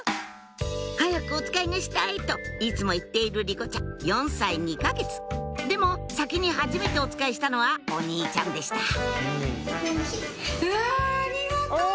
「早くおつかいがしたい」といつも言っている莉子ちゃん４歳２か月でも先に初めておつかいしたのはお兄ちゃんでしたうわありがとう！